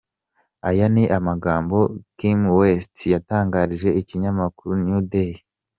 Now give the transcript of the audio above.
Aya ni amagambo KimWest yatangarije ikinyamakuru New Day.